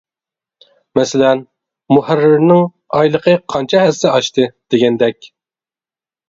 مەسىلەن، مۇھەررىرنىڭ ئايلىقى قانچە ھەسسە ئاشتى. دېگەندەك.